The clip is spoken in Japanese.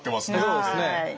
そうですね。